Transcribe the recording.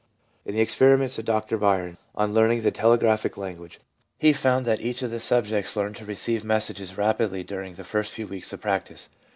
In the experiments of Dr Bryan 1 on learning the telegraphic language, he found that each of the subjects learned to receive messages rapidly during the first few weeks of practice.